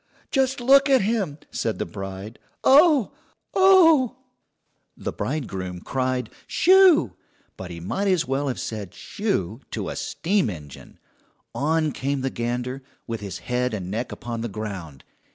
"Just look at him!" said the bride. "Oh, oh!" The bridegroom cried "Shoo!" but he might as well have said "Shoo" to a steam engine. On came the gander, with his head and neck upon the ground.